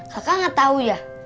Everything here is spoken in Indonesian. kakak nggak tahu ya